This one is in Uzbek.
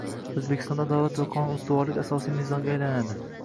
O‘zbekistonda adolat va qonun ustuvorligi – asosiy mezonga aylanading